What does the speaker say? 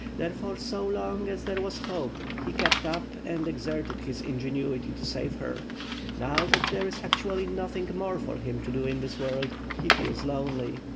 There fore, so long as there wae hope, he kept up and exerted his ingenuity to save her. Now that there is actually nothing more for him to do in this world, he feels lonely.